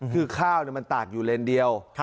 คือข้าวมันตากอยู่เลนเดียว